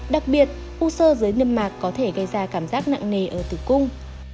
đặc biệt u sơ dưới niêm mạc có thể gây ra cảm giác nặng nề ở tử cung